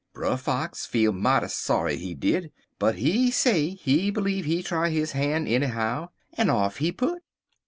Brer Fox feel mighty sorry, he did, but he say he bleeve he try his han' enny how, en off he put.